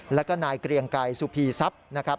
แล้วก็นายเกรียงไกรสุภีทรัพย์นะครับ